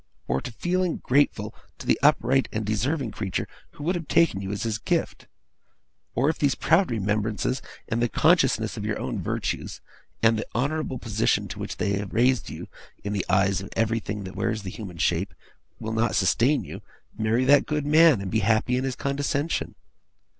or to feeling grateful to the upright and deserving creature who would have taken you as his gift. Or, if those proud remembrances, and the consciousness of your own virtues, and the honourable position to which they have raised you in the eyes of everything that wears the human shape, will not sustain you, marry that good man, and be happy in his condescension.